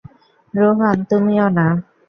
রোহান, তুমিও না।